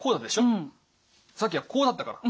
さっきはこうだったでしょ。